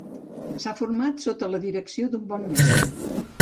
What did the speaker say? S'ha format sota la direcció d'un bon mestre.